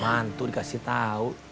mantu dikasih tau